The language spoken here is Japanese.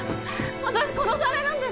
私殺されるんですか？